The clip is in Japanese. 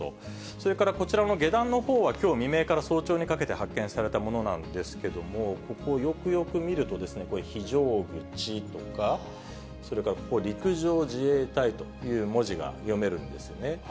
それからこちらの下段のほうは、きょう未明から早朝にかけて発見されたものなんですけども、ここ、よくよく見るとですね、これ、非常口とか、それからここ、陸上自衛隊という文字が読めるんですよね。